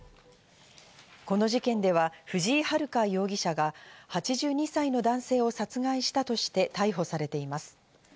この事件では藤井遙容疑者が８２歳の男性を殺害したとして逮捕されています。